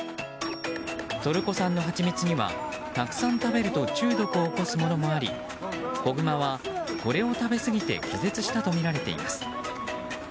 トルコ産のハチミツにはたくさん食べると中毒を起こすものもあり子グマはこれを食べすぎて気絶したとみられています。